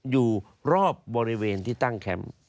อยู่รอบบริเวณที่ตั้งแคมป์